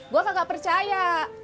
gue kagak percaya